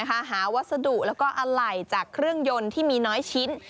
หาวัสดุแล้วก็อะไหล่จากเครื่องยนต์ที่มีน้อยชิ้น